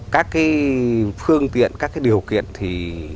các phương tiện các điều kiện thì